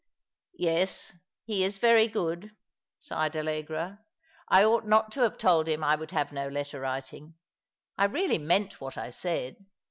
" Yes, he is very good," sighed Allegra. " I ought not to have told him I would have no letter writing. I really meant what I said.